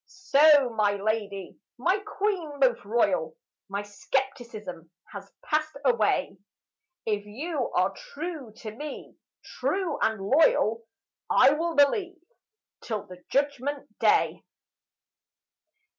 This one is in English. So my lady, my queen most royal, My skepticism has passed away; If you are true to me, true and loyal, I will believe till the Judgment day.